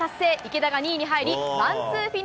池田が２位に入り、ワンツーフィ